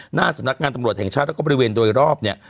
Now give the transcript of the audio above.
หน้าสำนักงานตำรวจแห่งชาติและบริเวณโดยรอบ